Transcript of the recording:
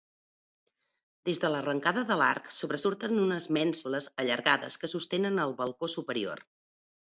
Des de l'arrencada de l'arc sobresurten unes mènsules allargades que sostenen el balcó superior.